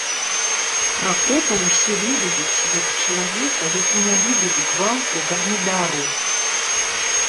Пракопа ўсе ведаюць як чалавека, які не любіць гвалту, гармідару.